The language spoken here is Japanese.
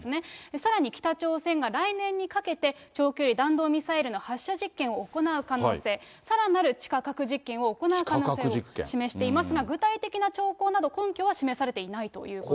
さらに北朝鮮が来年にかけて、長距離弾道ミサイルの発射実験を行う可能性、さらなる地下核実験を行う可能性を示していますが、具体的な兆候など、根拠は示されていないということです。